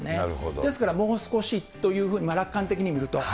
ですからもう少しというふうに、楽観的に見ると。